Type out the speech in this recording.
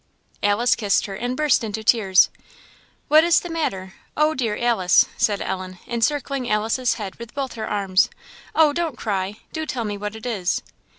Alice kissed her, and burst into tears. "What is the matter; oh, dear Alice!" said Ellen, encircling Alice's head with both her arms, "oh, don't cry! do tell me what it is!"